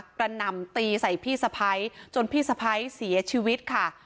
กระหน่ำตีใส่พี่สะพ้ายจนพี่สะพ้ายเสียชีวิตค่ะ